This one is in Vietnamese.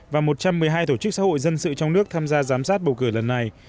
và một trăm một mươi hai tổ chức xã hội dân sự trong nước tham gia giám sát bầu cử lần này